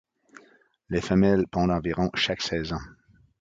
Les femelles pondent environ chaque saison.